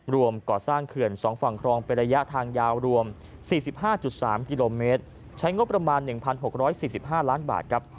รวมก่อสร้างเขื่อน๒ฝั่งครองเป็นระยะทางยาวรวม๔๕๓กิโลเมตรใช้งบประมาณ๑๖๔๕ล้านบาทครับ